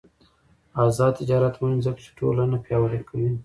آزاد تجارت مهم دی ځکه چې ټولنه پیاوړې کوي.